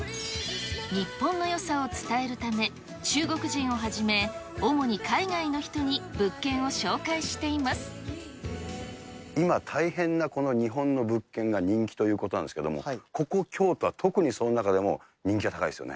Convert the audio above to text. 日本のよさを伝えるため、中国人をはじめ、主に海外の人に物件を今、大変なこの日本の物件が人気ということなんですけども、ここ、きょうとは特にその中でも人気が高いですよね。